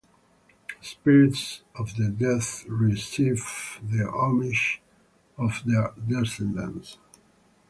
The spirits of the dead received the homage of their descendants.